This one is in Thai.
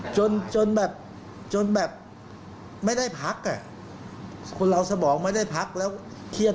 จนจนแบบจนแบบไม่ได้พักอ่ะคนเราสมองไม่ได้พักแล้วเครียด